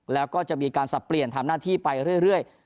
แล้วก็จะมีการสับเปลี่ยนทำหน้าที่ไปเรื่อย